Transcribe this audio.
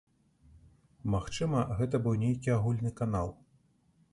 Магчыма гэта быў нейкі агульны канал.